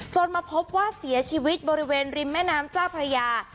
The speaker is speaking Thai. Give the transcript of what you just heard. มาพบว่าเสียชีวิตบริเวณริมแม่น้ำเจ้าพระยา